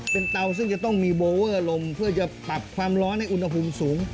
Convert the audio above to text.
เป็นเตาซึ่งจะต้องมีโบเวอร์ลมเพื่อจะปรับความร้อนให้อุณหภูมิสูง